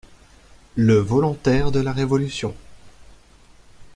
Le volontaire de la Révolution!